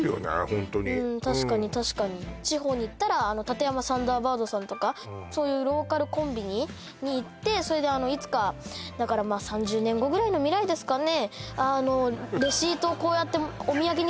ホントに確かに確かに地方に行ったら立山サンダーバードさんとかそういうローカルコンビニに行ってそれでいつかだからまあと思ってるんですけどね